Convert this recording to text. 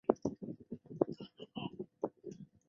米尔维尔镇区。